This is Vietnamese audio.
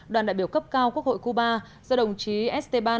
đoàn đại biểu cấp cao quốc hội cuba do đồng chí esteban